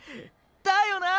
だよな！